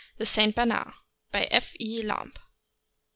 THE ST. BERNARD. BY F. E. LAMB.